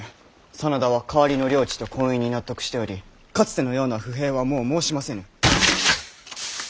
真田は代わりの領地と婚姻に納得しておりかつてのような不平はもう申しませぬ。